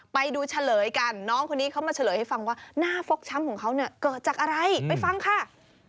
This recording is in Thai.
ไปดูเฉลยกันน้องคนนี้เขามาเฉลยให้ฟังว่าหน้าฟกช้ำของเขาเนี่ยเกิดจากอะไรไปฟังค่ะ